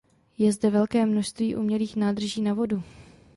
Je zde velké množství umělých nádrží na vodu.